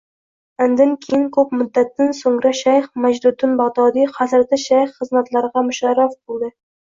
Andin keyin koʻp muddatdin soʻngra shayx Majduddin Bagʻdodiy Hazrati shayx xidmatlarigʻa musharraf boʻldi